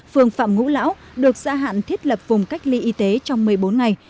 phường phạm ngũ lão được gia hạn thiết lập vùng cách ly y tế trong một mươi bốn ngày